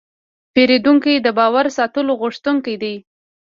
پیرودونکی د باور ساتلو غوښتونکی دی.